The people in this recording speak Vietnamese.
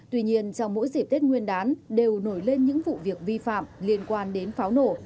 tuy nhiên trong mỗi dịp tết nguyên đán đều nổi lên những vụ việc vi phạm liên quan đến pháo nổ